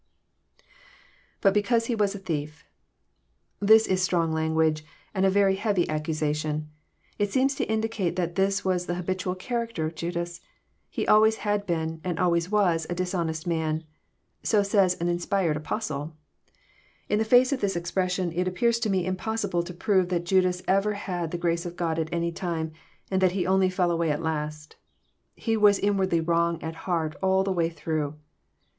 IBut because lie was a thief,'] This is strong language, and a very heavy accusation. It seems to indicate that this was the habitual character of Judas. He always had been, and always was, a dishonest man. So says an inspired Apostle. In the face of this expression, it appears to me impossible to prove that Jndas ever had the grace of God at any time, and that he only fell away at last. He was inwardly wrong at heart all the way through.